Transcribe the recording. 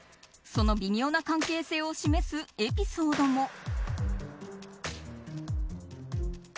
その微妙な関係性を示すエピソードも。